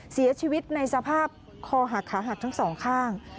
เสียชีวิตในสภาพคอหักขาหักทั้งสองข้าง